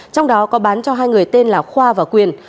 trong đó có bán cho hai người tên là khoa và quyền